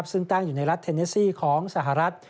ซึ่งตั้งอยู่ในรัฐเทเนซี่ของสหรัฐ